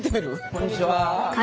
こんにちは。